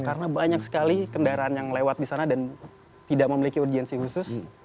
karena banyak sekali kendaraan yang lewat di sana dan tidak memiliki urgensi khusus